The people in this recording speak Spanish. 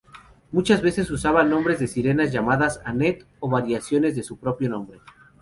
Muchas veces usaba nombres de sirenas llamadas Annette o variaciones de su propio nombre.